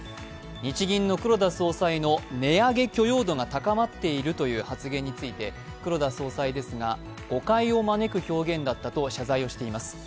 日銀の黒田総裁の値上げ許容度が高まっているという発言について、黒田総裁ですが、誤解を招く表現だったと謝罪しています。